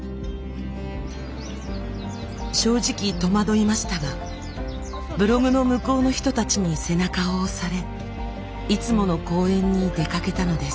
正直戸惑いましたがブログの向こうの人たちに背中を押されいつもの公園に出かけたのです。